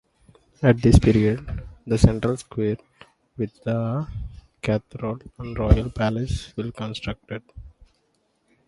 At this period the Central Square with the Cathedral and Royal Palace were constructed.